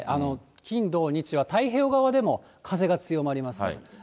金、土、日は太平洋側でも風が強まります。